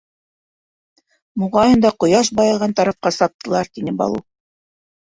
Моғайын да, ҡояш байыған тарафҡа саптылар, — тине Балу.